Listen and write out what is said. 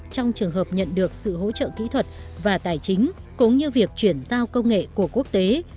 trong trường hợp nhận được sự hỗ trợ kỹ thuật và tài chính cũng như việc chuyển giao công nghệ của quốc tế